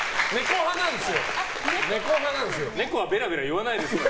猫はベラベラ言わないから。